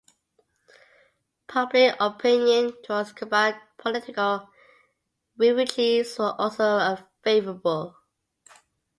Public opinion towards Cuban political refugees was also favorable.